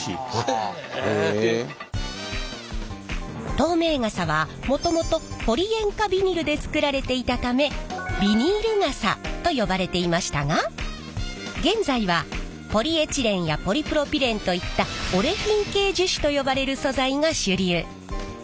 透明傘はもともとポリ塩化ビニルで作られていたためビニール傘と呼ばれていましたが現在はポリエチレンやポリプロピレンといったオレフィン系樹脂と呼ばれる素材が主流。